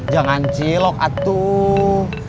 jangan cilok atuh